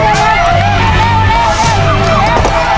เร็วเร็วเร็วเร็ว